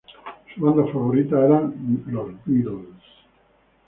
Su banda favorita era The Beatles.